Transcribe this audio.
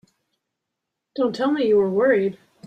Don't tell me you were worried!